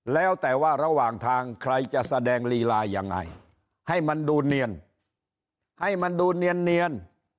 แล้วแต่ว่าระหว่างทางใครจะแสดงลีลายังไงให้มันดูเนียนให้มันดูเนียน